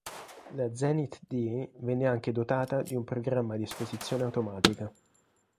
La Zenit-D venne anche dotata di un programma di esposizione automatica.